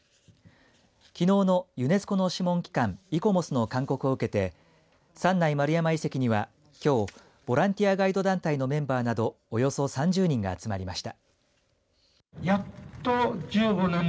きのうのユネスコの諮問機関イコモスの勧告を受けて三内丸山遺跡にはきょう、ボランティアガイド団体のメンバーなどおよそ３０人が集まりました。